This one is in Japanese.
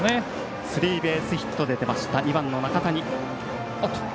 スリーベースヒットで出た２番の中谷。